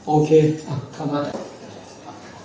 โอเคข้ามมา